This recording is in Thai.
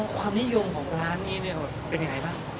อ๋อความนิยมของร้านนี้เนี่ยเป็นไงบ้าง